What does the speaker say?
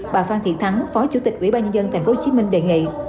bà phan thị thắng phó chủ tịch quỹ ba nhân dân tp hcm đề nghị